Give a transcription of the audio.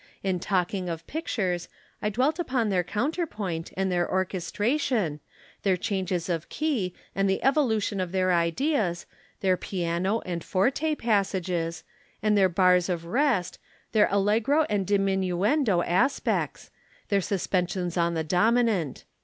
In talking of pictures, I dwelt upon their counter point and their orchestration, their changes of key and the evolution of their ideas, their piano and forte passages, and their bars of rest, their allegro and diminuendo aspects, their suspensions on the dominant.